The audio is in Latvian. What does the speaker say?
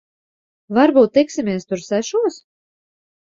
Varbūt tiksimies tur sešos?